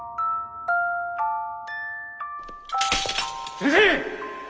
先生！